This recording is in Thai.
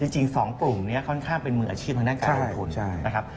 จริงสองปลุ่มเนี่ยค่อนข้างเป็นมืออาชีพทางด้านการงานทุน